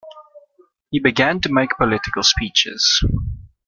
He began to make political speeches.